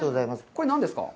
これ何ですか？